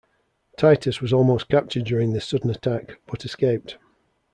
Titus was almost captured during this sudden attack, but escaped.